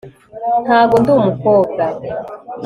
ntabwo ndi umukobwa